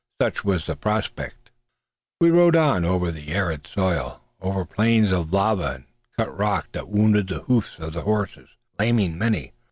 Such was the prospect. We rode on over the arid soil; over plains of lava and cut rock that wounded the hoofs of our horses, laming many.